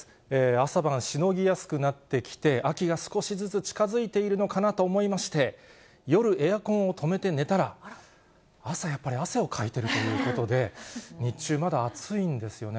朝晩しのぎやすくなってきて、秋が少しずつ近づいているのかなと思いまして、夜、エアコンを止めて寝たら、朝やっぱり汗をかいてるということで、日中、まだ暑いんですよね。